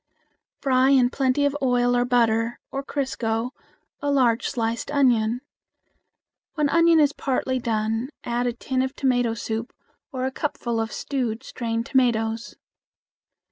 Fry in plenty of oil or butter or crisco a large sliced onion. When onion is partly done, add a tin of tomato soup or a cupful of stewed strained tomatoes.